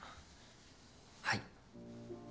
はい。